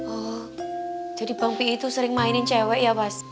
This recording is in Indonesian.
oh jadi bang p i tuh sering mainin cewek ya bas